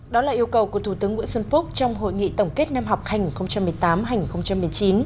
đó là yêu cầu của thủ tướng nguyễn xuân phúc trong hội nghị tổng kết năm học hành một mươi tám hai nghìn một mươi chín